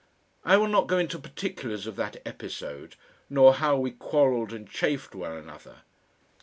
I will not go into particulars of that episode, nor how we quarrelled and chafed one another.